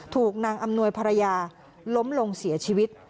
ถูกนางอำนวยภรรยาล้มลงเสียชีวิต